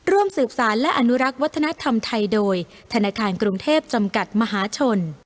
ร่วมสืบสารและอนุรักษ์วัฒนธรรมไทยโดยธนาคารกรุงเทพจำกัดมหาชน